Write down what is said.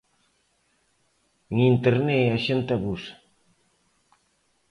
En Internet a xente abusa.